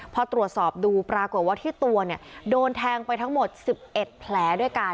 พอตรวจสอบดูปรากฏว่าที่ตัวเนี่ยโดนแทงไปทั้งหมด๑๑แผลด้วยกัน